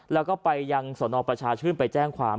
แล้วก็ไปยังสนประชาชื่นไปแจ้งความ